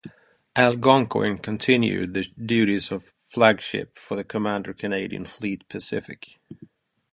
"Algonquin" continued the duties of flagship for the Commander Canadian Fleet Pacific.